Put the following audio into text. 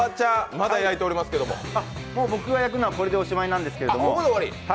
もう僕が焼くのはこれでおしまいなんですけど。